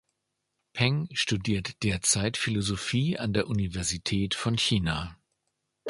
Peng studiert derzeit Philosophie an der Universität von China.